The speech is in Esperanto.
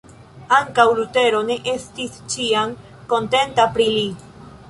Ankaŭ Lutero ne estis ĉiam kontenta pri li.